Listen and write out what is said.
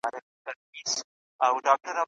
ښوونځي اوس ښه فضا لري.